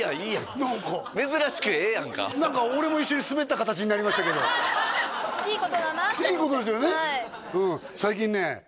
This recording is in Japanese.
何か珍しくええやんか何か俺も一緒にスベった形になりましたけどいいことだなと思っていいことですよね？